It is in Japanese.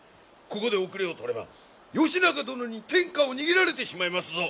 ここで後れを取れば義仲殿に天下を握られてしまいますぞ！